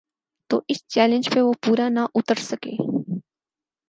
تو اس چیلنج پہ وہ پورا نہ اتر سکے۔